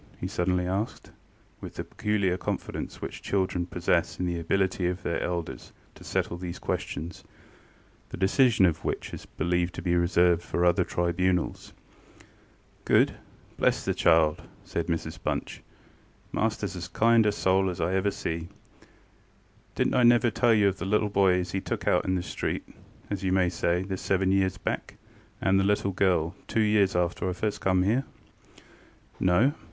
ŌĆØ he suddenly asked, with the peculiar confidence which children possess in the ability of their elders to settle these questions, the decision of which is believed to be reserved for other tribunals. ŌĆ£Good? ŌĆöbless the child! ŌĆØ said Mrs Bunch. ŌĆ£MasterŌĆÖs as kind a soul as ever I see! DidnŌĆÖt I never tell you of the little boy as he took in out of the street, as you may say, this seven years back? and the little girl, two years after I first come here? ŌĆØ ŌĆ£No.